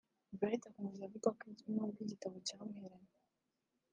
Bright akomeza avuga ko n’ubwo igitabo cyamuheranye